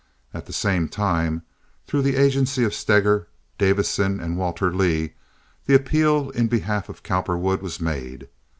At the same time, through the agency of Steger, Davison, and Walter Leigh, the appeal in behalf of Cowperwood was made.